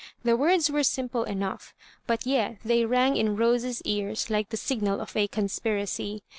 The words were sim ple enough, but yet they rang in Rosens ears like the signal of a conspiracy.